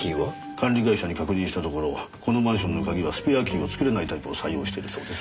管理会社に確認したところこのマンションの鍵はスペアキーを作れないタイプを採用しているそうです。